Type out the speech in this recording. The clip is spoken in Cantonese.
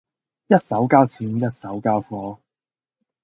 一手交錢一手交貨